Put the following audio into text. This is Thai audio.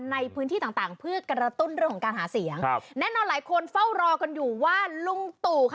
ในพื้นที่ต่างต่างเพื่อกระตุ้นเรื่องของการหาเสียงครับแน่นอนหลายคนเฝ้ารอกันอยู่ว่าลุงตู่ค่ะ